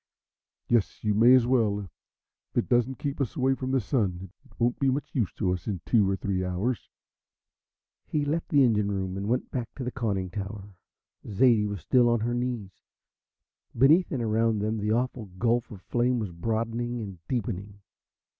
"Yes, you may as well. If it doesn't keep us away from the Sun it won't be much use to us in two or three hours." He left the engine room and went back to the conning tower. Zaidie was still on her knees. Beneath and around them the awful gulf of flame was broadening and deepening.